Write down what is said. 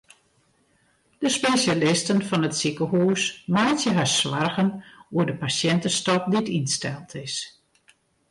De spesjalisten fan it sikehús meitsje har soargen oer de pasjintestop dy't ynsteld is.